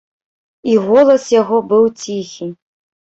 І голас яго быў ціхі.